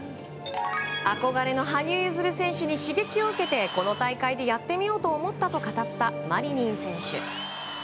憧れの羽生結弦選手に刺激を受けてこの大会でやってみようと思ったと語ったマリニン選手。